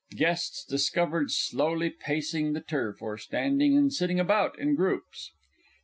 Guests discovered slowly pacing the turf, or standing and sitting about in groups.